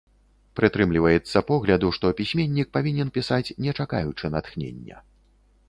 Прытрымліваецца погляду, што пісьменнік павінен пісаць не чакаючы натхнення.